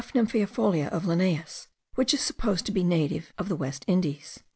nymphaeifolia of Linnaeus, which is supposed to be a native of the East Indies.)